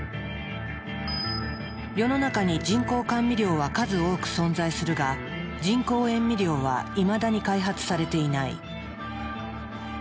世の中に人工甘味料は数多く存在するが人工塩味料はいまだに開発されていない。